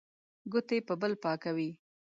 ګوتې په بل پاکوي.